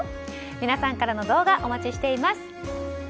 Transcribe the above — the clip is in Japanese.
皆さんからの動画お待ちしています。